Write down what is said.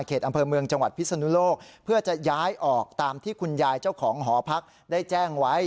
อำเภอเมืองจังหวัดพิศนุโลกเพื่อจะย้ายออกตามที่คุณยายเจ้าของหอพักได้แจ้งไว้